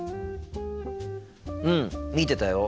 うん見てたよ。